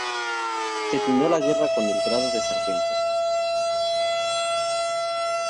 Terminó la guerra con el grado de Sargento.